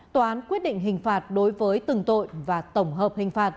tòa án quyết định hình phạt đối với từng tội và tổng hợp hình phạt